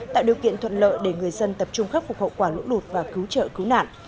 tạo điều kiện thuận lợi để người dân tập trung khắc phục hậu quả lũ lụt và cứu trợ cứu nạn